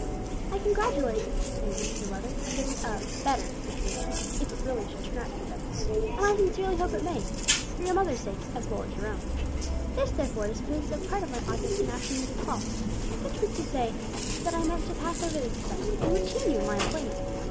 "I congratulate you, Mr Leather, on getting a better situation (if it really should turn out to be better), and I sincerely hope it may for your mother's sake as well as your own. This therefore disposes of part of my object in asking you to call which was to say that I meant to pass over this offence and retain you in my employment.